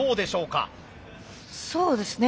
そうですね。